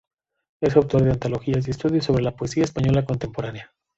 Es autor de antologías y estudios sobre la poesía española contemporánea.